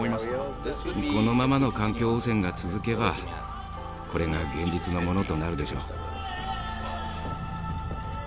このままの環境汚染が続けばこれが現実のものとなるでしょう。